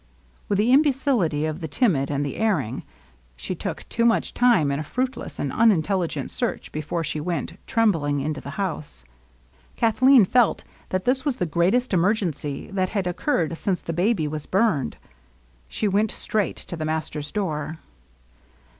With the imbecility of the timid and the erring, she took too much time in a fruitless and unintelUgent search before she went, trembling, into the house. Kathleen felt that this was the greatest emergency that had occurred since the baby was burned. She went straight to the master's door.